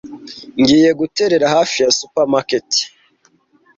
Ngiye guterera hafi ya supermarket.